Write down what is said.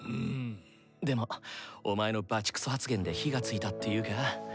でもお前のバチクソ発言で火がついたっていうか。